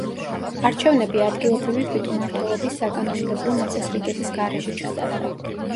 არჩევნები ადგილობრივი თვითმმართველობის საკანონმდებლო მოწესრიგების გარეშე ჩატარდა.